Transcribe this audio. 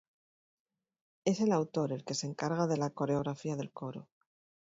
Es el autor el que se encarga de la coreografía del coro.